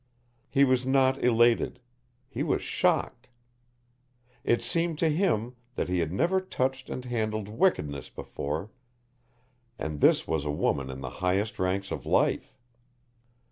He was not elated. He was shocked. It seemed to him that he had never touched and handled wickedness before, and this was a woman in the highest ranks of life!